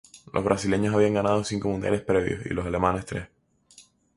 Los brasileños habían ganado cinco mundiales previos, y los alemanes, tres.